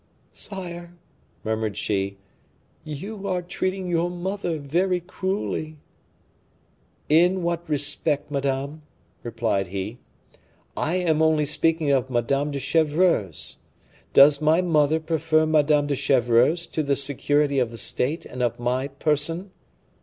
"Sire," murmured she, "you are treating your mother very cruelly." "In what respect, madame?" replied he. "I am only speaking of Madame de Chevreuse; does my mother prefer Madame de Chevreuse to the security of the state and of my person?